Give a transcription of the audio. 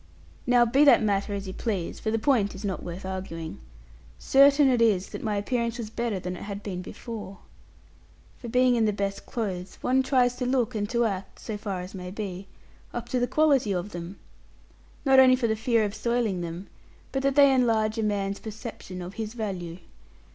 Now be that matter as you please for the point is not worth arguing certain it is that my appearance was better than it had been before. For being in the best clothes, one tries to look and to act (so far as may be) up to the quality of them. Not only for the fear of soiling them, but that they enlarge a man's perception of his value.